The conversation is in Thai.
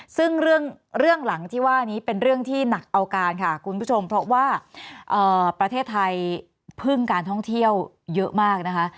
ซึ่งเรื่องหลังที่ว่านี้เป็นเรื่องที่หนักเอาการค่ะคุณผู้ชมเพราะว่าประเทศไทยพึ่งการท่องเที่ยวเยอะมากนะคะ